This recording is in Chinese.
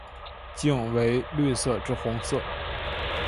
茎为绿色至红色。